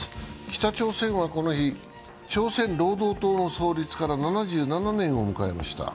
北朝鮮はこの日、朝鮮労働党の創立から７７年を迎えました。